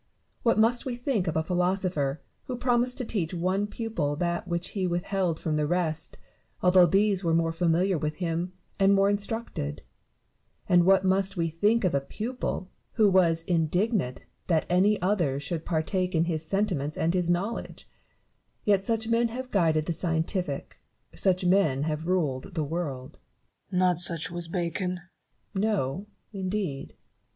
What must we think of a philosopher, who promised to teach one pupil that which he withheld from the rest, although these were more familiar with him, and more instructed 1 And what must we think of a pupil, who was indignant that any others should partake in his sentiments and his knowledge 1 Yet such men have guided the scientific, such men have ruled the world. Newton. Not such was Bacon. Barrow. No, indeed.